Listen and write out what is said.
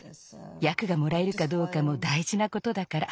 やくがもらえるかどうかもだいじなことだから。